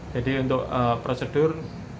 jadi untuk prosedur